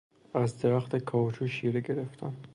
از درخت کائوچو شیره گرفتن